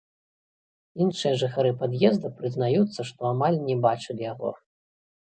Іншыя жыхары пад'езда прызнаюцца, што амаль не бачылі яго.